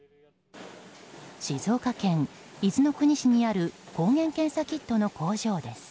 静岡県伊豆の国市にある抗原検査キットの工場です。